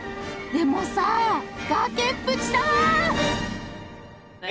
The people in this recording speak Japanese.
でもさ崖っぷちさん！